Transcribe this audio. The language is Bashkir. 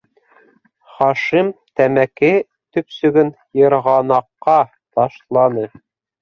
Хашим тәмәке төпсөгөн йырғанаҡҡа ташланы.